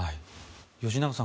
吉永さん